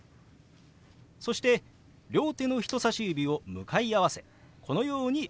そして両手の人さし指を向かい合わせこのように動かします。